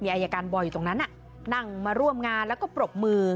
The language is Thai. อายการบอยอยู่ตรงนั้นนั่งมาร่วมงานแล้วก็ปรบมือ